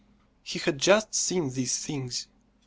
He had just seen these things.